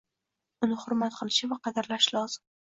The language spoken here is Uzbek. Uni hurmat qilishi va qadrlashi lozim.